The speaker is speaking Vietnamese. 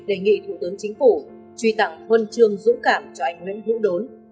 đề nghị thủ tướng chính phủ truy tặng huân chương dũng cảm cho anh nguyễn hữu đốn